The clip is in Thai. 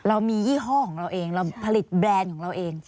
เรามียี่ห้อของเราเองเราผลิตแบรนด์ของเราเอง